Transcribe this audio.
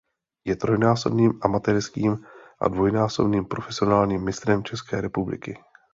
Je trojnásobným amatérským a dvojnásobným profesionálním mistrem České republiky.